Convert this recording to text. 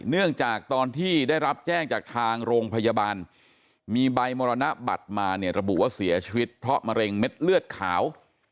เนื่องจากตอนที่ได้รับแจ้งจากทางโรงพยาบาลมีใบมรณบัตรมาเนี่ยระบุว่าเสียชีวิตเพราะมะเร็งเม็ดเลือดขาว